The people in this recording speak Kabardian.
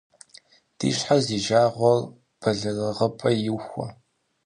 Ди щхьэр зи жагъуэр бэлырыгъыпӏэ иухуэ.